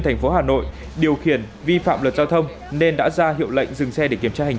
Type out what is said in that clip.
thành phố hà nội điều khiển vi phạm luật giao thông nên đã ra hiệu lệnh dừng xe để kiểm tra hành